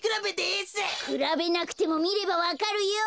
くらべなくてもみればわかるよ！